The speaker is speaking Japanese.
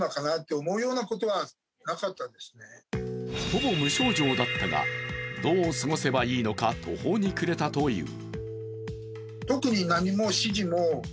ほぼ無症状だったが、どう過ごせばいいのか途方に暮れたという。